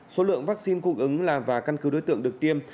số lượng vaccine cung ứng là và căn cứ đối tượng được tiêm